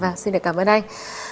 và xin được cảm ơn anh